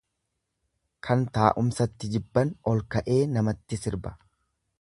Kan taa'umsatti jibban, ol ka'ee namatti sirba.